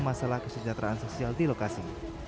masalah kesejahteraan sosial di lokasi